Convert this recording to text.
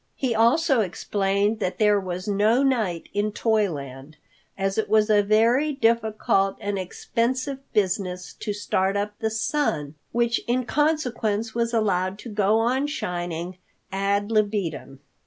He also explained that there was no night in Toyland, as it was a very difficult and expensive business to start up the sun, which in consequence was allowed to go on shining ad libitum.